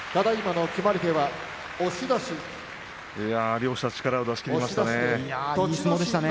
両者、力を出し切りましたね。